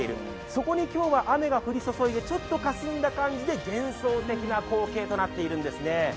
そこに今日は雨が降り注いで今日はちょっとかすんだ感じで幻想的な光景となっているんですね。